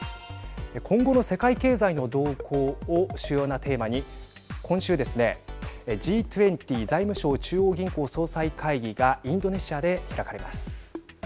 今後の世界経済の動向を主要なテーマに今週ですねＧ２０＝財務相・中央銀行総裁会議がインドネシアで開かれます。